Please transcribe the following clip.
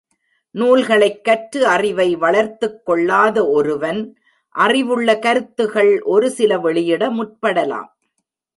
நூல்களைக் கற்று அறிவை வளர்த்துக்கொள்ளாத ஒருவன், அறிவுள்ள கருத்துகள் ஒருசில வெளியிட முற்படலாம்.